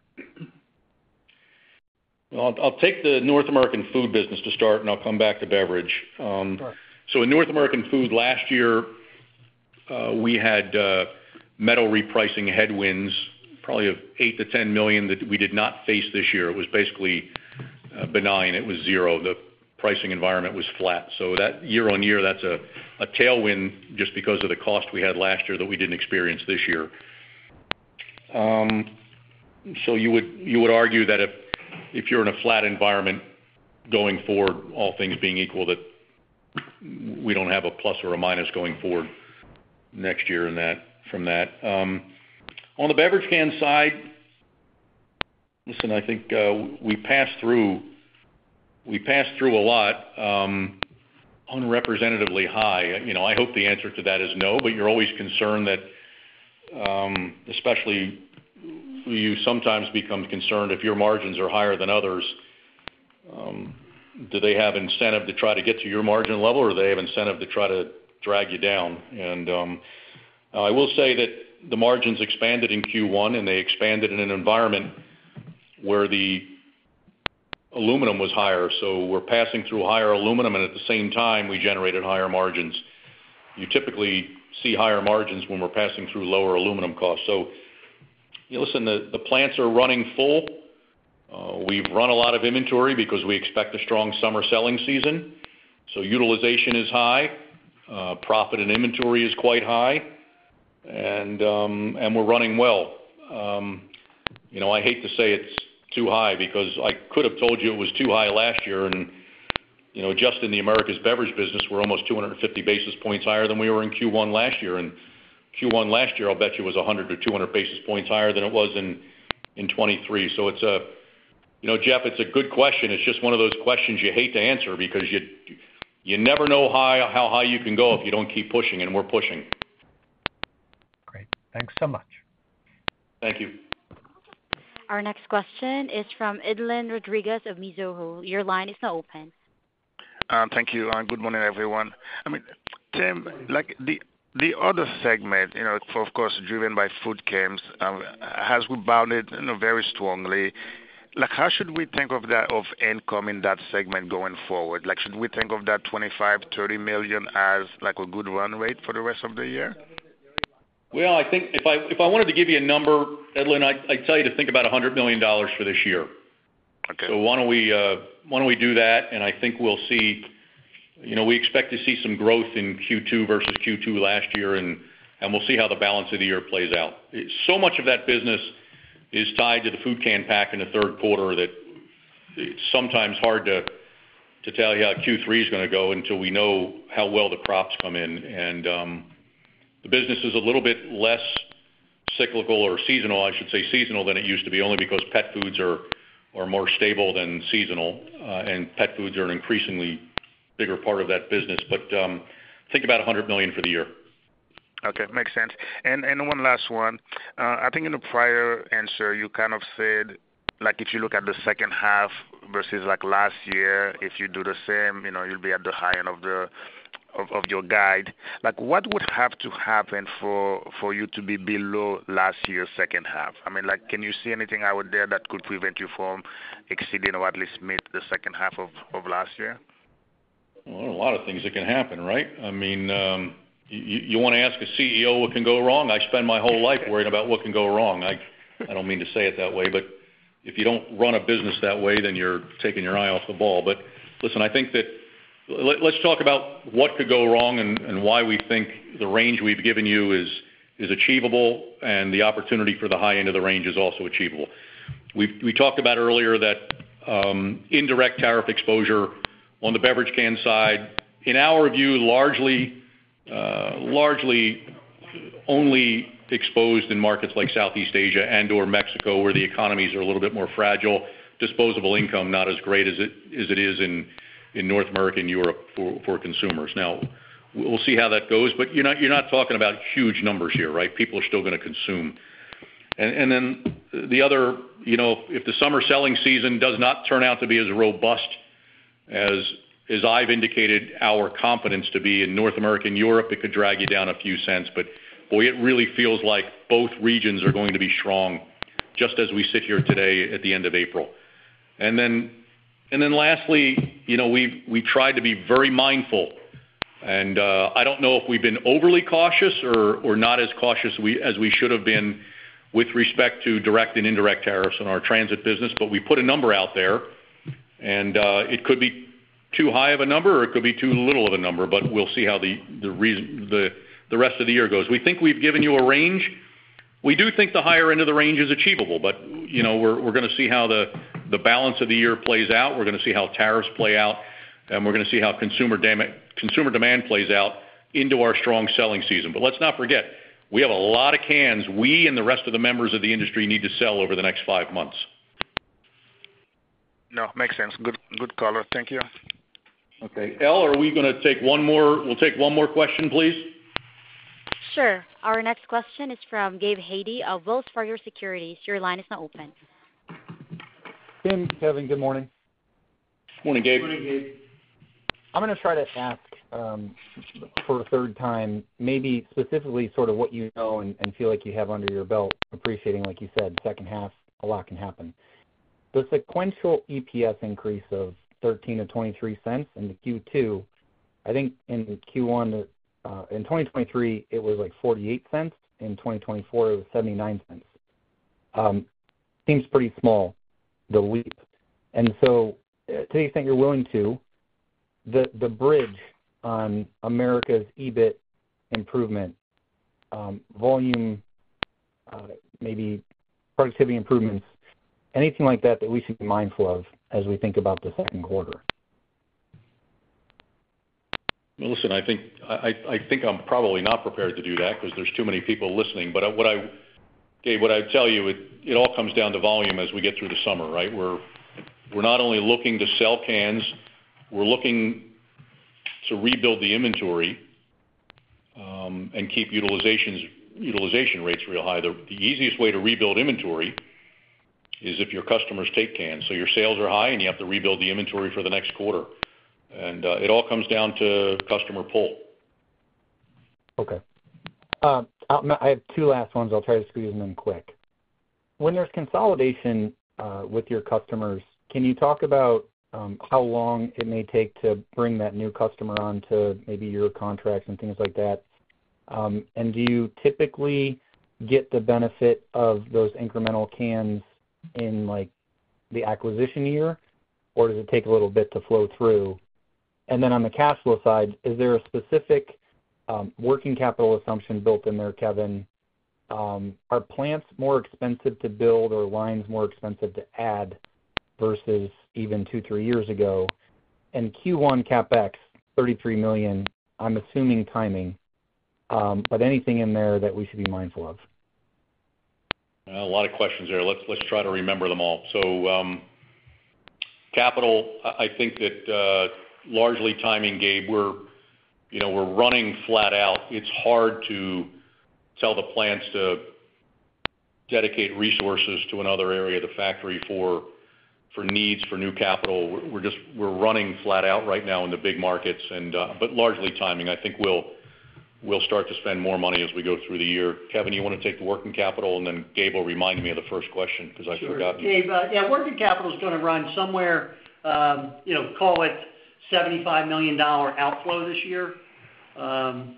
I'll take the North American Food business to start, and I'll come back to beverage. In North American Food last year, we had metal repricing headwinds probably of $8 million-$10 million that we did not face this year. It was basically benign. It was zero. The pricing environment was flat. Year on year, that's a tailwind just because of the cost we had last year that we didn't experience this year. You would argue that if you're in a flat environment going forward, all things being equal, that we don't have a plus or a minus going forward next year from that. On the beverage can side, listen, I think we passed through a lot unrepresentatively high. I hope the answer to that is no, but you're always concerned that especially you sometimes become concerned if your margins are higher than others, do they have incentive to try to get to your margin level, or do they have incentive to try to drag you down? I will say that the margins expanded in Q1, and they expanded in an environment where the aluminum was higher. We're passing through higher aluminum, and at the same time, we generated higher margins. You typically see higher margins when we're passing through lower aluminum costs. Listen, the plants are running full. We've run a lot of inventory because we expect a strong summer selling season. Utilization is high. Profit in inventory is quite high, and we're running well. I hate to say it's too high because I could have told you it was too high last year. In just the Americas Beverage business, we are almost 250 basis points higher than we were in Q1 last year. Q1 last year, I will bet you it was 100 to 200 basis points higher than it was in 2023. Jeff, it is a good question. It is just one of those questions you hate to answer because you never know how high you can go if you do not keep pushing, and we are pushing. Great. Thanks so much. Thank you. Our next question is from Edlain Rodriguez of Mizuho. Your line is now open. Thank you. Good morning, everyone. I mean, Tim, the other segment, of course, driven by food cans, has rebounded very strongly. How should we think of that of income in that segment going forward? Should we think of that $25 million-$30 million as a good run rate for the rest of the year? I think if I wanted to give you a number, Edlain, I'd tell you to think about $100 million for this year. Why don't we do that? I think we expect to see some growth in Q2 versus Q2 last year, and we'll see how the balance of the year plays out. So much of that business is tied to the food can pack in the third quarter that it's sometimes hard to tell you how Q3 is going to go until we know how well the crops come in. The business is a little bit less cyclical or seasonal, I should say seasonal, than it used to be, only because pet foods are more stable than seasonal, and pet foods are an increasingly bigger part of that business. Think about $100 million for the year. Okay. Makes sense. One last one. I think in the prior answer, you kind of said if you look at the second half versus last year, if you do the same, you'll be at the high end of your guide. What would have to happen for you to be below last year's second half? I mean, can you see anything out there that could prevent you from exceeding or at least meet the second half of last year? There are a lot of things that can happen, right? I mean, you want to ask a CEO what can go wrong? I spend my whole life worrying about what can go wrong. I do not mean to say it that way, but if you do not run a business that way, then you are taking your eye off the ball. Listen, I think that let's talk about what could go wrong and why we think the range we have given you is achievable and the opportunity for the high end of the range is also achievable. We talked about earlier that indirect tariff exposure on the beverage can side, in our view, largely only exposed in markets like Southeast Asia and/or Mexico where the economies are a little bit more fragile, disposable income not as great as it is in North America and Europe for consumers. Now, we'll see how that goes, but you're not talking about huge numbers here, right? People are still going to consume. If the summer selling season does not turn out to be as robust as I've indicated our confidence to be in North America and Europe, it could drag you down a few cents. Boy, it really feels like both regions are going to be strong just as we sit here today at the end of April. Lastly, we've tried to be very mindful, and I don't know if we've been overly cautious or not as cautious as we should have been with respect to direct and indirect tariffs in our transit business, but we put a number out there, and it could be too high of a number or it could be too little of a number, but we'll see how the rest of the year goes. We think we've given you a range. We do think the higher end of the range is achievable, but we're going to see how the balance of the year plays out. We're going to see how tariffs play out, and we're going to see how consumer demand plays out into our strong selling season. Let's not forget, we have a lot of cans we and the rest of the members of the industry need to sell over the next five months. No. Makes sense. Good color. Thank you. Okay. Al, are we going to take one more? We'll take one more question, please? Sure. Our next question is from Gabe Hajde of Wells Fargo Securities. Your line is now open. Tim, Kevin, good morning. Good morning, Gabe. Good morning, Gabe. I'm going to try to ask for a third time, maybe specifically sort of what you know and feel like you have under your belt, appreciating, like you said, second half, a lot can happen. The sequential EPS increase of $0.13-$0.23 in Q2, I think in Q1, in 2023, it was $0.48. In 2024, it was $0.79. Seems pretty small, the leap. To the extent you're willing to, the bridge on Americas EBIT improvement, volume, maybe productivity improvements, anything like that that we should be mindful of as we think about the second quarter? I think I'm probably not prepared to do that because there's too many people listening. Gabe, what I'd tell you, it all comes down to volume as we get through the summer, right? We're not only looking to sell cans. We're looking to rebuild the inventory and keep utilization rates real high. The easiest way to rebuild inventory is if your customers take cans. Your sales are high, and you have to rebuild the inventory for the next quarter. It all comes down to customer pull. Okay. I have two last ones. I'll try to squeeze them in quick. When there's consolidation with your customers, can you talk about how long it may take to bring that new customer onto maybe your contracts and things like that? Do you typically get the benefit of those incremental cans in the acquisition year, or does it take a little bit to flow through? On the cash flow side, is there a specific working capital assumption built in there, Kevin? Are plants more expensive to build or lines more expensive to add versus even two, three years ago? Q1 CapEx, $33 million, I'm assuming timing, but anything in there that we should be mindful of? A lot of questions there. Let's try to remember them all. Capital, I think that largely timing, Gabe. We're running flat out. It's hard to tell the plants to dedicate resources to another area, the factory, for needs, for new capital. We're running flat out right now in the big markets, but largely timing. I think we'll start to spend more money as we go through the year. Kevin, you want to take the working capital, and then Gabe will remind me of the first question because I forgot to. Sure. Gabe. Yeah. Working capital is going to run somewhere, call it $75 million outflow this year. Yeah.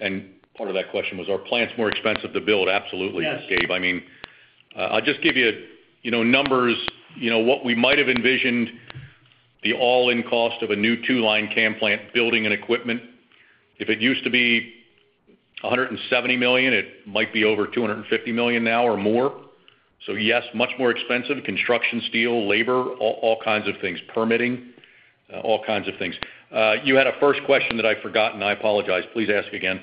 And part of that question was, are plants more expensive to build? Absolutely, Gabe. I mean, I'll just give you numbers. What we might have envisioned, the all-in cost of a new two-line can plant building and equipment, if it used to be $170 million, it might be over $250 million now or more. Yes, much more expensive. Construction, steel, labor, all kinds of things, permitting, all kinds of things. You had a first question that I forgot. I apologize. Please ask again.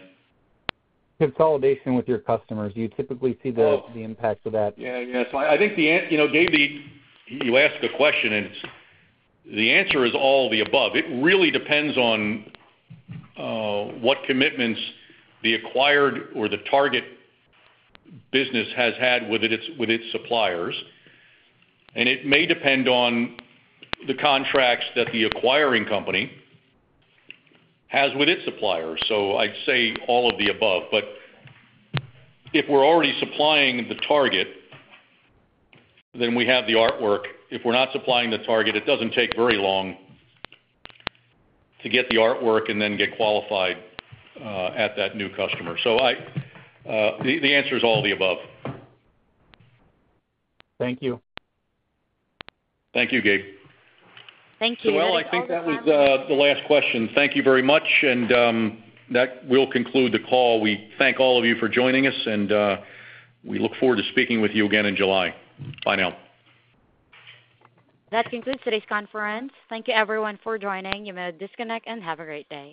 Consolidation with your customers. Do you typically see the impact of that? Yeah. Yeah. I think, Gabe, you asked a question, and the answer is all the above. It really depends on what commitments the acquired or the target business has had with its suppliers. It may depend on the contracts that the acquiring company has with its suppliers. I'd say all of the above. If we're already supplying the target, then we have the artwork. If we're not supplying the target, it does not take very long to get the artwork and then get qualified at that new customer. The answer is all the above. Thank you. Thank you, Gabe. Thank you. I think that was the last question. Thank you very much. That will conclude the call. We thank all of you for joining us, and we look forward to speaking with you again in July. Bye now. That concludes today's conference. Thank you, everyone, for joining. You may disconnect and have a great day.